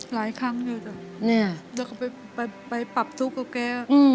หลายครั้งเดี๋ยวจะไปปรับทุกข์กับแก